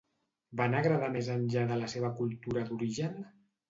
Van agradar més enllà de la seva cultura d'origen?